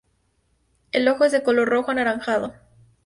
El ojo es de color rojo anaranjado.